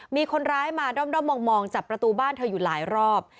มีคนร้ายมาด้อมมองจับประตูบ้านเธออยู่หลายรอบ